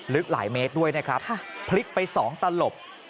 ลึกหลายเมตรด้วยนะครับพลิกไป๒ตลบ